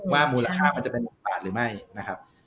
ว่ามูลค่ามันจะเป็นบทบาทหรือไม่นะครับ